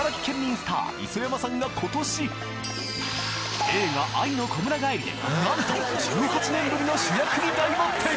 スター磯山さんが今年映画『愛のこむらがえり』でなんと１８年ぶりの主役に大抜擢！